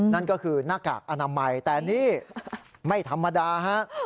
นั่นก็คือหน้ากากอนามัยแต่นี่ไม่ธรรมดาฮะ